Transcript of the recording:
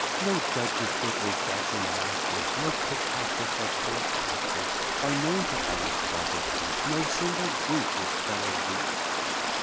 No judges, fiddlers, dancing masters, No pickpockets, or poetasters, Are known to honest quadrupeds; No single brute his fellow leads.